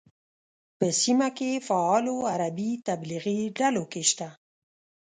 په سیمه کې فعالو عربي تبلیغي ډلو کې شته.